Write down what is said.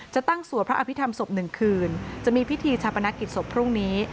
ตั้งสวดพระอภิษฐรรมศพ๑คืนจะมีพิธีชาปนกิจศพพรุ่งนี้